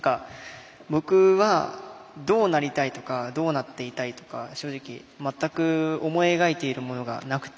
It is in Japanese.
僕は、どうなりたいとかどうなっていたいとか正直、全く思い描いているものがなくて。